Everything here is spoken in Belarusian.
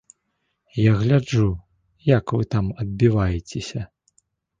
Я гляджу, як вы там адбіваецеся.